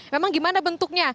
memang gimana bentuknya